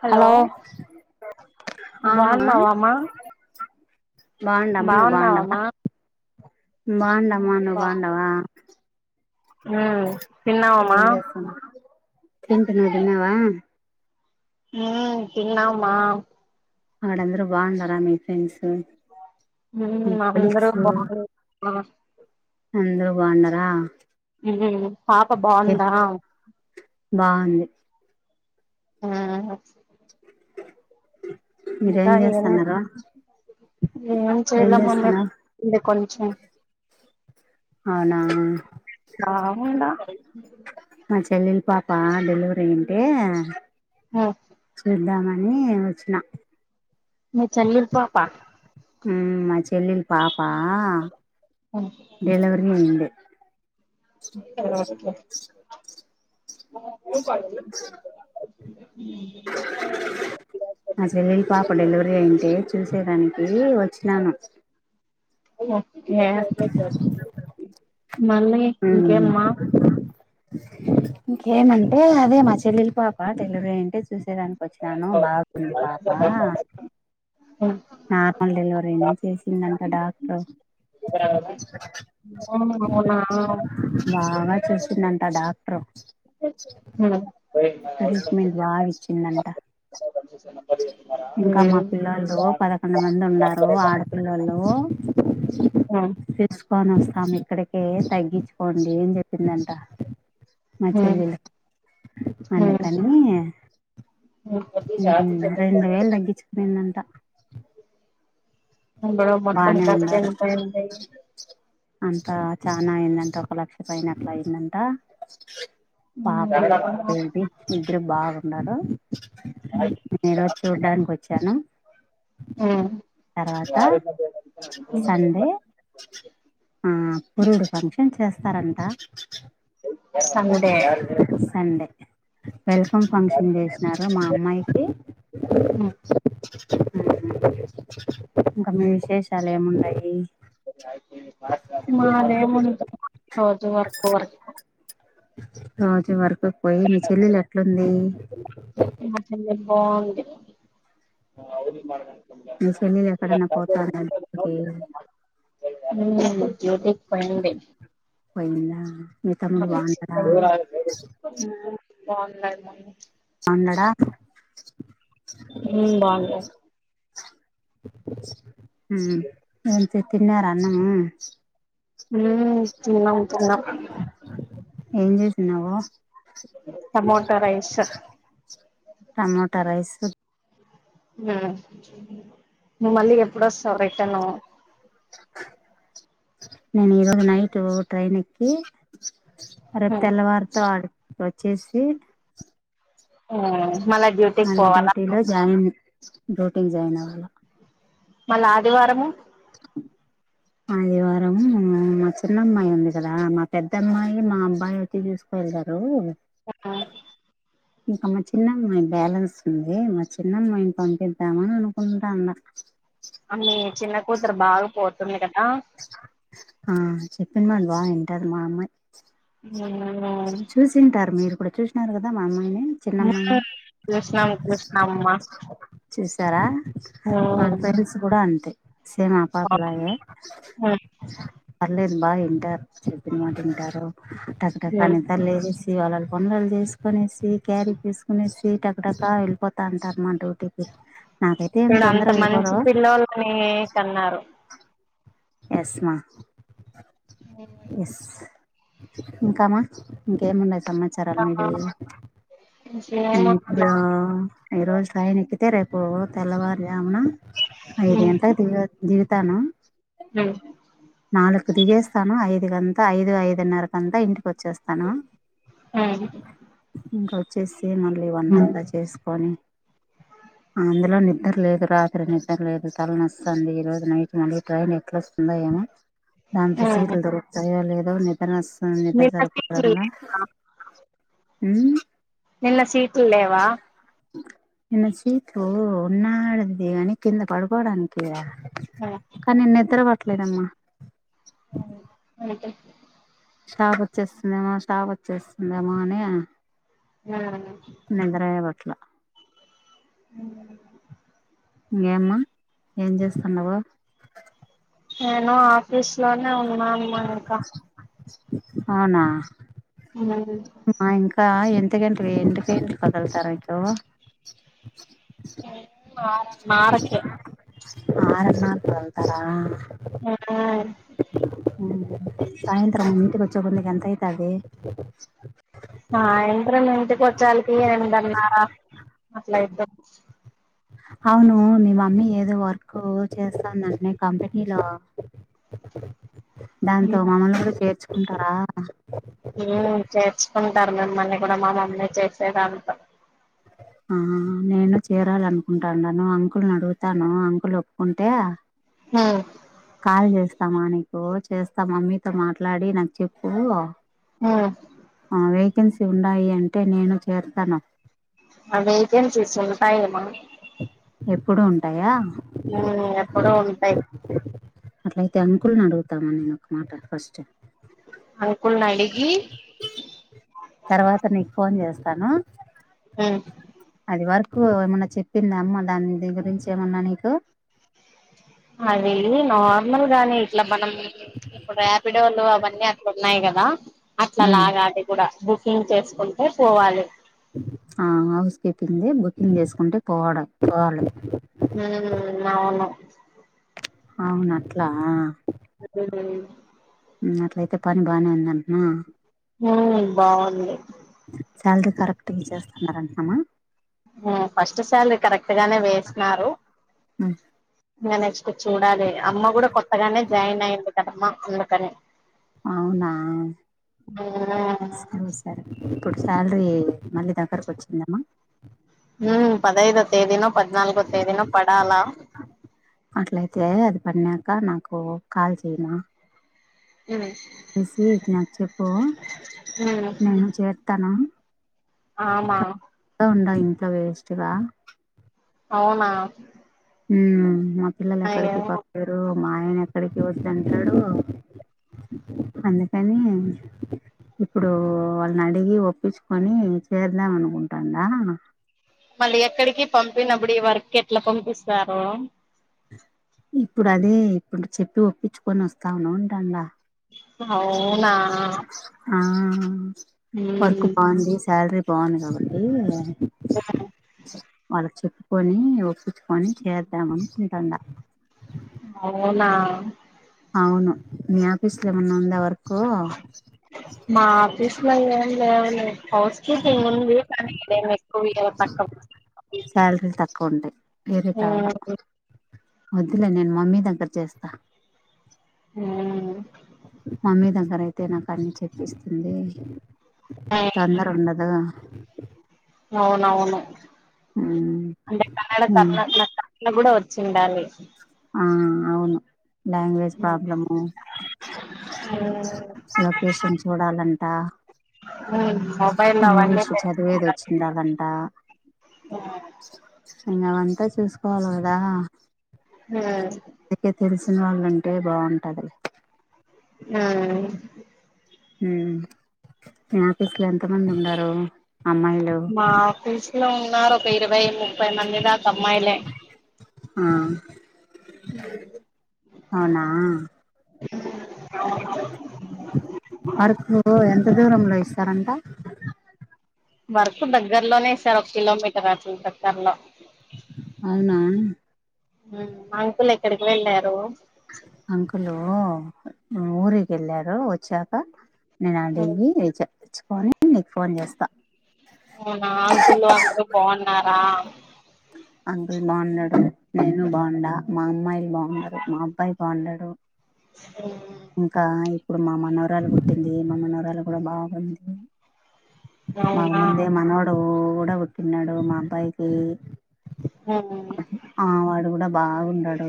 Hello ఆ బాగునవమా బండమా నువ్వు బండవ బండమా నువ్వు బండవ ఉమ్ తిన్నావా మా ఏం చేస్తున్నావ్ తింటి నువ్వు తిన్నావా ఉమ్ తన్నామా అక్కడందరు బాగుండారా మీ ఫ్రెండ్స్ హ్మ్ మీ అందరూ కొలీగ్స్ బాగున్నరూ మా అందరు బాగుంన్నర ఉమ్ పాప బాగుందా బాగుంది ఆ మీరేం ఏం చేస్తన్నారు ఏం చేయల మమ్మీ ఈడ కొంచం అవునా బాగుండా మా చెల్లెలి పాప డెలివరీ అయింటే చూద్దామ ని వచ్చిన మీ చెల్లెల పాప ఉమ్ మా చెల్లెలు పాప డెలివరి అయింది [inaudible] మా చెల్లెలి పాప డెలివరీ అయింటే చూసేదాని కి వచ్చినను ఓకే మమ్మీ మ్మ్ ఇంకేమ్మా ఇంకేమంటే అదే మా చెల్లెలి పాప డెలివరే అయింటే చూసేదానికి వచ్చినాను బాగుంది పాప నార్మల్ డెలివరీనే చేసిందంట డాక్టరు అవునా బాగా చూస్కున్దంట డాక్టర్ ఉ ట్రీట్మెంట్ బాగా ఇచ్చిందంట ఇంకా మా పిల్లాళ్లు పదకొండు మంది ఉన్నారు ఆడపిల్లోలు ఉ కొని వస్తాం ఇక్కడికే తగ్గించుకోండి అని చెప్పిందంట మా చెల్లెలు అందుకని హ్మ్ రెండు వేలు తగ్గించుకునిందంట ఇప్పుడు మొత్తం బానే ఖర్చు ఎంత అయింది అంత చానా అయిందంట ఒక లక్ష పైన అట్లా అయిందంట పాప ఏంటి ఇద్దరు బాగున్నారు ఈరోజు చూడ్డానికి వచ్చాను తర్వాత సండే ఆ పురుడు ఫంక్షన్ చేస్తారంట సండే సండే వెల్కమ్ ఫంక్షన్ చేసినారు మా అమ్మాయికి హుహ్మ్ ఇంకా మీ విశేషాలు ఏమున్నాయి మాదే ముందు రోజు వర్కు వర్కు రోజు వర్కుకు పోయి మీ చెల్లెలు ఎట్లుంది మా చెల్లెలు బాగుంది మీ చెల్లెలు ఎక్కడన్నా పోతానా కి హ్మ్ గేట్ పండి పోయిందా మీ తమ్ముడు బాగున్నాడా బావున్నారు మమ్మి ఎందంట [unintelligible] హ్మ్ బాగుంది హ్మ్ ఎంతి తిన్నార అన్నము హ్మ్ తిన్నం తిన్నం నువ్వు టమోటా రైస్ టమోటా రైస్ మళ్ళీ ఎప్పుడ వస్తా రిటర్న్ నేను ఇరోజ నైట్ పో ట్రైన్కి రేపు మ్మ్ తెల్లవారితో ఆడు వచ్చేసి మళ డ్యూటీకి పోవాల రోటింగ్ జయిన్వళ మళ్ళా ఆదివారము ఆదివారం మా చిన్న అమ్మాయి ఉంది కదా మా పెద్ద అమ్మాయి మా అబ్బాయి వచ్చి చూసుకో ఎలరు ఆ ఇంకా మా చిన్నమ్మాయి బ్యాలెన్స్ ఉంది మా చిన్నమ్మాయిని పంపిద్దామాన అనుకుంటాన్న మీ చిన్న కూతురు బాగా పోతుంది కదా ఆ చెప్పిన మాట బాగ ఇంటది మా అమ్మాయి మ్మ్ చూసింటారు మీరు కూడా చూసినారు కదా మా అమ్మాయిని చిన్నమ్మాయిని మ్మ్ కృష్ణం కృష్ణమ్మ చూసారా వాళ్ళ మ్మ్ పేరెంట్స్ గూడా అంతే సేమ్ ఆ మ్మ్ పాపలాగే పర్లేదు బాగా వింటారు చెప్పిన మాట వింటారు టక్క టక మ్మ్ నిద్రలేసి వాళ్ళల్ల పనులు వాళ్ళు జేసుకునేసి క్యారీ తీసుకొనేసి టక్కటక్క వెళ్ళిపోతా అంటారు మా డ్యూటీకి నాకైతే ఏంత ఇప్పుడు అంత తొందరగా అయిపోద మంచి పిల్లోలని కన్నారు ఎస్ మా ఎస్ ఇంకామ్మా ఇంకేమున్నయ్ సమాచారాలు మీది నేను ఏమో ఇప్పుడు ఈ రోజు ట్రైన్ ఎక్కితే రేప్ ఇప్పుడు తెల్లవారు జామున ఐదు గంటలకు దిగుతాను ఉమ్ నకు దిగేస్తాను ఐదు గంతా ఐదు ఐదున్నర కంతా ఇంటికి వచ్చేస్తాను నిన్న ఇంకా వచ్చేసి మళ్ళీ వంటంతా చేసుకొని అందులో నిద్ర లేదు రాత్రి నిద్ర లేదు తలనొస్తుంది ఈ రోజు నైట్ మళ్ళీ ట్రైన్ ఎట్లా వస్తుందోయేమో దాంతో సీట్లు దొరుకుతాయె లేదో నిద్ర వ నిద్ర సరిపోవడం సీట్లు లే ఉమ్ నిన్న సీట్లు లేవా నిన్న సీట్లు ఉన్నాడిది గాని కింద పడుకోవడానికి గా కానీ నిద్ర పట్లేదమ్మా అవును అంతే స్టాప్ వచ్చేస్తుందేమో స్టాప్ వచ్చేస్తుందేమో అని ఉమ్ అట్లా ఉమ్ ఇంగేమ్మా ఏం చేస్తున్నావు నేను ఆఫీస్ లోనే ఉన్నా అమ్మ ఇంకా అవునా మా ఇంకా ఎంత గంటలు ఎంత గంటలు కదలుతారు ఇటు మారట్లే ఆరమా కొంతారా ఉమ్ సాయంత్రం ఇంటి వచ్చి ఇప్పుడు నీకు ఎంత అయితది ఆ ఏంట్రె ఇంటికి వచ్చాలకి ఏడన్నా అట్లాయిద్ది అవును మీ మమ్మీ ఏదో వర్క్ చేస్తాందంటనే కంపెనీలో దాంతో మనల్ను గూడా చేర్చుకుంటారా కుంటారు మిమ్మల్ని కూడా మా మమ్మిని చేసేదంత ఆ నేను చేరాల అనుకుంటాన్నాను అంకుల్ని అడుగుతాను అంకుల్ ఒప్పుకుంటే హు కాల్ చేస్తా మా నీకు చేస్తాం మమ్మీతో మాట్లాడి నాకు చెప్పు ఉమ్ వేకెన్సీ ఉన్నాయి అంటే నేను చేరుతాను ఆ వేకెన్నీస్ ఉంటాయెమో ఎప్పుడు ఉంటాయా ఉ ఎక్కడో ఉంటాయ్. అట్లయితే అంకుల్ని అడుగుతామని నేను ఒక మాట ఫస్ట్. అంకుల్ని అడిగి తర్వాత నీకు ఫోన్ జేస్తాను. ఉహ్ ఈ వరకు ఏమన్నా చెప్పిందా అమ్మ దాని ది గురించి ఏమన్నా నీకు. అది నార్మల్ గానే ఇట్లా మనం ఇప్పుడు రాపిడోలో అవన్ అన్నీ అట్లు ఉన్నాయి గదా, అట్లా ఉమ్ లాగాలి గూడ బుకింగ్ చేసుకుంటే పోవాలి. ఆ హౌస్ కీపింగ్ది బుకింగ్ చేసుకుంటే పోవడం పోవాలి ఉమ్ అవును అవును అట్లా ఆ అదే లే ఉమ్ అట్లయితే పని బానే ఉందంటనా మూవీ బావుంది. సాలరీ కరెక్ట్గా ఇచ్చేస్తున్నారంటున్నామా ఉ ఫస్ట్ సాలరీ కరెక్ట్ గానే వేసిన్నారు. ఇగా నెక్స్ట్ కూ చూడాలి అమ్మ గూడా కొత్తగానే జాయిన్ అయింది కదమ్మ అందుకని. అవునా సరేసారే ఇప్పుడు సా లరీ మళ్ళీ దగ్గరక్ వచ్చిందమ్మా. ఉమ్ పదైదో తేదీన్నా పద్నాలుగో తేదీనో పడాలా అట్లయితే అది పన్నాక నాకు కాల్ చేయనా. ఉమ్ మీసి నాక్ చేపో నేను చేతాను. ఆమ త ఇంత వేస్ట్ రా అవునా ఉమ్ మా పిల్లలు అయ్యో అక్కడికి పపేరు. మా ఆయన ఎక్కడికి వస్తంటాడు. అందుకని ఇప్పుడు వాళ్ళని అడిగి ఒప్ ప్పించుకొని చేదాం అనుకుంటాండా. మళ్ళీ ఎక్కడికి పంపినప్పుడు ఈ వర్క్ ఎట్లా పంపిస్తారు. ఇప్పుడు అదే ఇప్పుడు చెప్పి ఒప్పించుకొని వస్తావును ఉంటడా. అవునా ఆ వర్క్ మ్మ్ బావుంది, సాలరీ బావుంది కాబట్టి వాళ్ళక్ చెప్పి పోని ఒప్పించుకొని చేద్దాం అనుకుంటుండ అవునా అవును మీ ఆఫీస్ లో ఏమన్న ఉందా వర్ మా ఆఫీస్ లో ఏం లేవలే హౌస్ కిపింగ్ ఉంది. కానీ ఇదేమి సాలరీలు తక్కువ ఉంటాయ్ వేరేతారా మ్మ్ వద్దులే నేను మమ్మీ దగ్గర చేస్తా మ్మ్ మమ్మీ దగ్ తరైతే నాకాడ్ నుచ్ చెప్పిస్తుంది తొందర ఉండదో అవునవును అంటే కన్నాడ ఉమ్ కర్ణాటక అని గూడా ఓ చిండాలి. ఆ అవును లాంగ్వేజ్ ప్రాబ్లము. లొకేషన్ చూడాలంటా మొబైల్ అవన్నీ ఇంగ్లీషూ చదివేది తెలుసుకుంటారు వచ్చిండాలంట. నేనెంత చూసుకోవాలి కదా. ఉమ్ అందుకే తెలిసిన వాళ్లుంటే బాగుంటాది ఉమ్ ఉమ్ మీ ఆఫీస్ లో ఎంత మంది ఉన్నారు? మా ఆఫీస్ లో ఉన్నారు ఒక ఇరవై ముప్పై మంది దాకా అమ్మాయిలే. ఆ అవునా ఉమ్ వర్కు ఎంత దూరంలో ఇస్తారంట? వర్క్ దగ్గరలోనే ఇస్తారు, ఒక కిలోమీటర్ అట్లు దగ్గర్లో అవునా ఉహు అంకుల్ ఎక్కడికి వెళ్ళారు? అంకులు ఊరికెళ్ళారు వచ్చాక నేను అడిగి చెప్పిచుకొని నీకు ఫోన్ చేస్తా. అవునా అంకులు అందరు బాగున్నారా? అంకుల్ బాగున్నాడు, నేను బాగుండా, మా అమ్మాయిలు బాగున్నరు, మా అబ్బాయి బాగున్నడు. అ ఇప్పుడు మా మనవరాలు పుట్టింది, మా మనోరాలు గుడా బాగుంది. మాకు అవునా ముందే మనవడు గుడా పుట్టినడు మా అబ్బాయికి. ఆ వాడు గుడ బాగగుండడు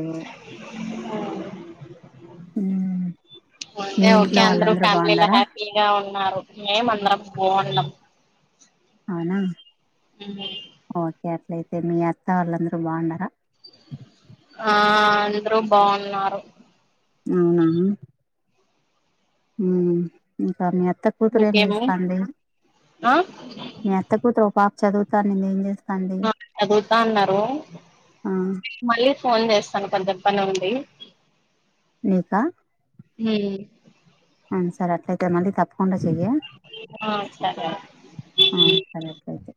ఆ ఉమ్ అదే ఓకే అందరు ఫ్యామిలీల హ్యాపీగా ఉన్నారు, మేమందరం బావున్నం అవునా, ఓకే అట్లై తే మీ అత్త వాళ్ళంద్రూ బాగున్నరా? ఆ అందరూ బాగున్నారు. ఉమ్ ఉమ్ నీ కన్నీ కెద్ద తురు ఏం ఇంకేమి చేస్తాంది? ఆ మీ అత్త కూతురు ఓ పాప చదువుతాంది, నేను ఏం చేస్ చదువుతా అన్నారు, ఆ మళ్ళీ ఫోన్ చేస్తాను కొంచెం పని ఉంది, ఉమ్ అ సరే అట్లయితే మళ్ళీ తప్పకుండా చెయ్య ఆ సరే ఆ సరే అట్లయితే